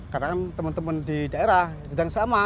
karena teman teman di daerah sedang sama